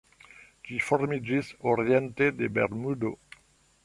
Ĝi formiĝis oriente de Bermudo.